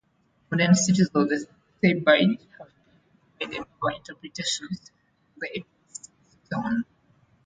Modern critics of the "Thebaid" have been divided over interpretations of the epic's tone.